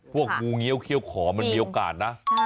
งูเงี้ยวเขี้ยวขอมันมีโอกาสนะ